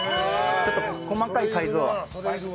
ちょっと細かい改造は。